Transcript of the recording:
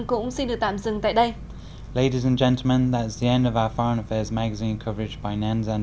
cũng xin được tạm dừng tại đây